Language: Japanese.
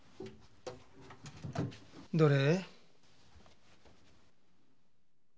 どれ？